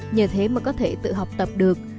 nhờ thế mà có thể tự học tập được